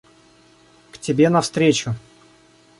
– К тебе навстречу.